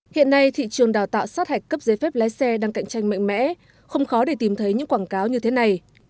hiện nay thị trường đào tạo sát hạch cấp giấy phép lái xe đang cạnh tranh mạnh mẽ không khó để tìm thấy những quảng cáo như thế này